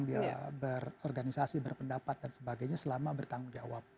kita pernah kekang berorganisasi berpendapat dan sebagainya selama bertanggung jawab